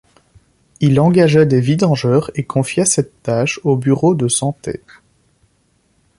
Il engagea des vidangeurs et confia cette tâche au bureau de santé.